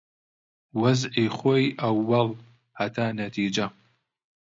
وەزعی خۆی ئەووەڵ، هەتا نەتیجە